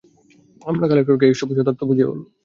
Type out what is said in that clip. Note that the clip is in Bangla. আমরা কালেক্টরকে এই উৎসবের মমার্থ বুঝিয়ে বলব।